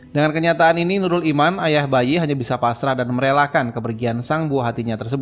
dengan kenyataan ini nurul iman ayah bayi hanya bisa pasrah dan merelakan kepergian sang buah hatinya